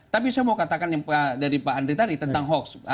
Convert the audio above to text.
tapi saya mau katakan yang dari pak andri tadi tentang hoax